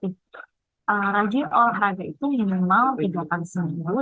termasuk nih kita harus memilih olahan makanan yang bersih higienis gitu ya